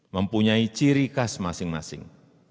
mempunyai ciri khas masing masing